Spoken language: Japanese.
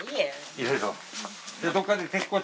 いろいろ。